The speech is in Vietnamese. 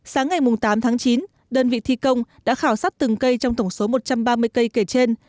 sáng ngày tám tháng chín đơn vị thi công đã khảo sát từng cây trong tổng số một trăm ba mươi cây kể trên